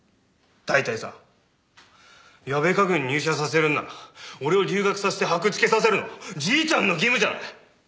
大体さ矢部家具に入社させるなら俺を留学させて箔付けさせるのじいちゃんの義務じゃない？